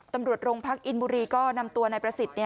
ตำรวจโรงพักอินบุรีก็นำตัวนายประสิทธิ์